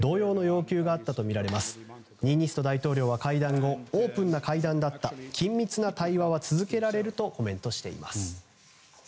大統領は会談後オープンな会談だった緊密な対話は続けられるとコメントしています。